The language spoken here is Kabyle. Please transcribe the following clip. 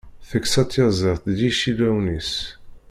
Teksa tyaziḍt d yicillawen-is.